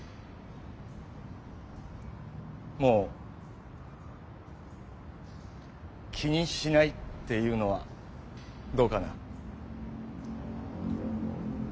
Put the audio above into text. もう「気にしない」っていうのはどうかな？